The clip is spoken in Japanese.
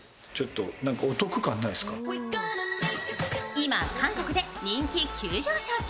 今、韓国で人気急上昇中。